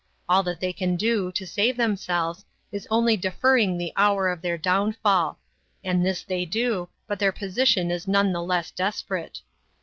All that they can do to save themselves is only deferring the hour of their downfall. And this they do, but their position is none the less desperate.